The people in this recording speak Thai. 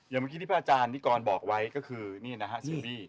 อย่างเหมือนกันพระอาจารย์นิกรบอกไว้ก็คือเสือบี้